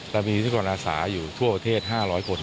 ทำให้ะบันทึกรอสาอยู่ทั่วประเทศ๕๐๐คน